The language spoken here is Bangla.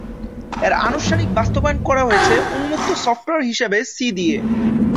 এর আনুষ্ঠানিক বাস্তবায়ন করা হয়েছে উম্মুক্ত সফটওয়ার হিসেবে সি দিয়ে।